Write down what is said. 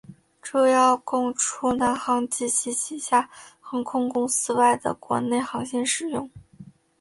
主要供除南航及其旗下航空公司外的国内航线使用。